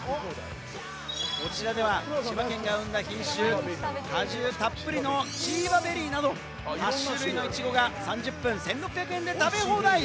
こちらでは、千葉県が生んだ品種、果汁たっぷりのチーバベリーなど、８種類のイチゴが３０分１６００円で食べ放題。